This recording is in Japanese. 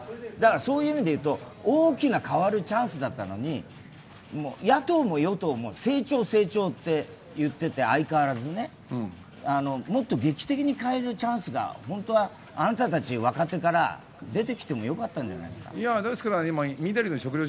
そういう意味で言うと大きな変わるチャンスだったのに野党も与党も成長、成長って相変わらず言っていて、もっと劇的に変えるチャンスがあなたたち若手から出てきてもよかったんじゃないですか。